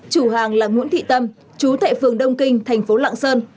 chủ hàng là nguyễn thị tâm chú tại phường đông kinh thành phố lạng sơn